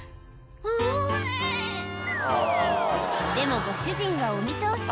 「うぅ」でもご主人はお見通し